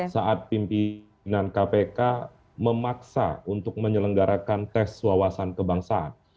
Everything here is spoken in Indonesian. saat pimpinan kpk memaksa untuk menyelenggarakan tes wawasan kebangsaan